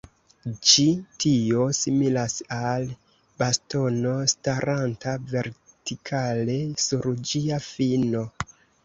Ĉi tio similas al bastono staranta vertikale sur ĝia fino.